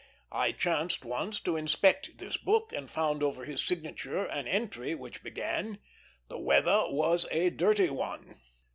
I chanced once to inspect this book, and found over his signature an entry which began, "The weather was a dirty one."